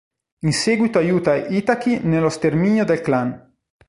In seguito aiuta Itachi nello sterminio del clan.